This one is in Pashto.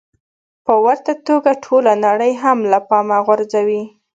په ورته توګه ټوله نړۍ هم له پامه غورځوي.